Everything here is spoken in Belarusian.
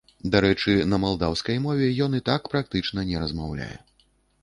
Дарэчы, на малдаўскай мове ён і так практычна не размаўляе.